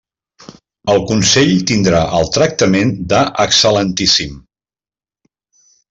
El Consell tindrà el tractament d'excel·lentíssim.